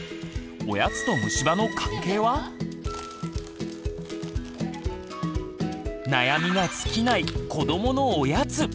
おやつと虫歯の関係は⁉悩みが尽きない「子どものおやつ」